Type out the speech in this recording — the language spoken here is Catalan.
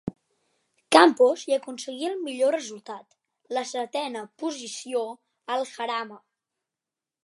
Campos hi aconseguí el millor resultat, la setena posició al Jarama.